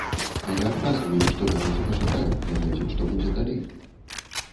А я адказваю, што давайце пачакаем, паглядзім што будзе далей.